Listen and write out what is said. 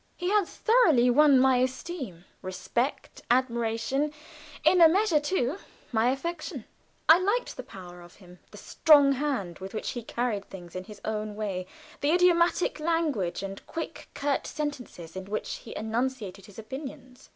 He had thoroughly won my esteem, respect, admiration in a measure, too, my affection. I liked the power of him; the strong hand with which he carried things in his own way; the idiomatic language, and quick, curt sentences in which he enunciated his opinions.